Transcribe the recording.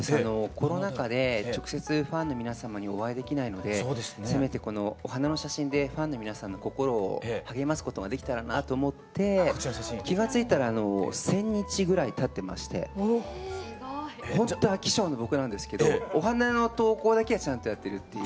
コロナ禍で直接ファンの皆様にお会いできないのでお花の写真でファンの皆さんの心を励ますことができたらなと思って気が付いたら１，０００日ぐらいたってましてほんと飽き性な僕なんですけどお花の投稿だけはちゃんとやってるっていう。